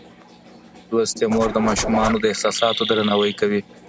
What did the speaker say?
لوستې مور د ماشومانو د احساساتو درناوی کوي.